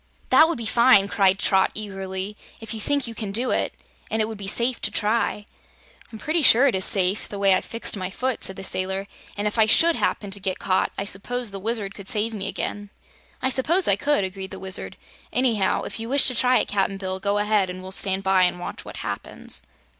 "That would be fine," cried Trot eagerly, "if you think you can do it, and it would be safe to try!" "I'm pretty sure it is safe, the way I've fixed my foot," said the sailor, "an' if I SHOULD happen to get caught, I s'pose the Wizard could save me again." "I suppose I could," agreed the Wizard. "Anyhow, if you wish to try it, Cap'n Bill, go ahead and we'll stand by and watch what happens."